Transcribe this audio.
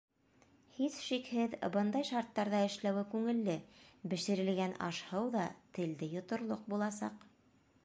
Һис шикһеҙ, бындай шарттарҙа эшләүе күңелле, бешерелгән аш-һыу ҙа телде йоторлоҡ буласаҡ.